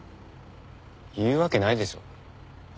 言うわけないでしょ。